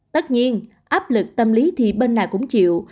tất nhiên áp lực tâm lý thì bên nào cũng chịu